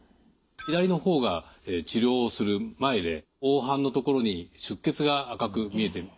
左の方が治療をする前で黄斑の所に出血が赤く見えてる。